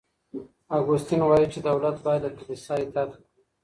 اګوستين وايي چي دولت بايد له کليسا اطاعت وکړي.